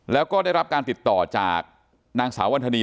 แล้วก็ได้รับการติดต่อจากนางสาววันธนี